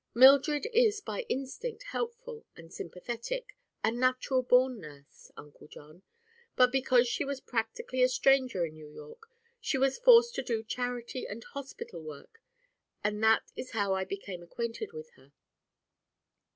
Mildred is by instinct helpful and sympathetic—a natural born nurse, Uncle John—but because she was practically a stranger in New York she was forced to do charity and hospital work, and that is how I became acquainted with her."